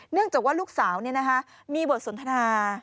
เนื่องจากว่าลูกสาวมีบทสนทนา